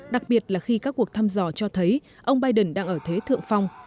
đặc biệt là khi các cuộc thăm dò cho thấy ông biden đang ở thế thượng phong